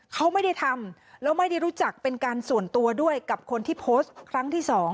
เขาไม่ได้ทำแล้วไม่ได้รู้จักเป็นการส่วนตัวด้วยกับคนที่โพสต์ครั้งที่๒